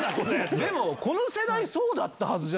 でもこの世代そうだったはず